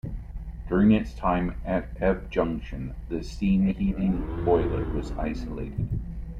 During its time at Ebbw Junction, the steam heating boiler was isolated.